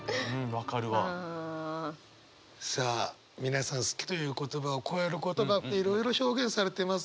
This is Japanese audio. さあ皆さん「好き」という言葉をこえる言葉っていろいろ表現されていますがどうでしょう？